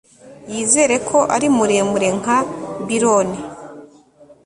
yizera ko ari muremure nka byron